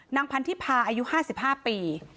นางพันธิภาอายุ๕๕ปี